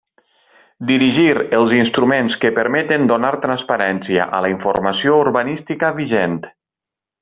Dirigir els instruments que permeten donar transparència a la informació urbanística vigent.